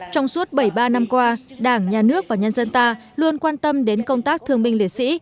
trong suốt bảy mươi ba năm qua đảng nhà nước và nhân dân ta luôn quan tâm đến công tác thương binh liệt sĩ